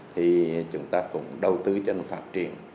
thì chúng ta cũng đầu tư cho phát triển